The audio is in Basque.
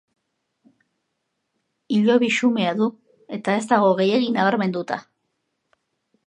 Hilobi xumea du eta ez dago gehiegi nabarmenduta.